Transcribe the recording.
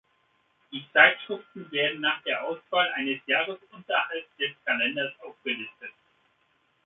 Die Zeitschriften werden nach der Auswahl eines Jahres unterhalb des Kalenders aufgelistet.